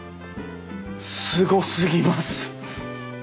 すごすぎます！